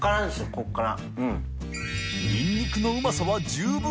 ここから。